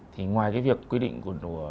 thì ngoài cái việc quy định của